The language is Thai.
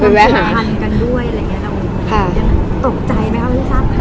คุณพ่อสะอาดทำกันด้วยตกใจไหมครับที่ทราบข่าว